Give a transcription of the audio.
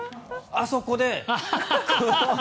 あそこで。